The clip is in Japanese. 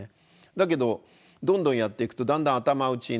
だけどどんどんやっていくとだんだん頭打ちになります。